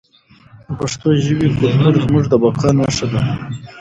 د پښتو ژبې کلتور زموږ د بقا نښه ده.